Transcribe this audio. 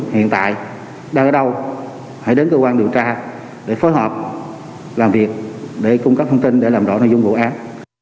hãy đến cơ quan điều tra để phối hợp làm việc để cung cấp thông tin để làm rõ nội dung vụ án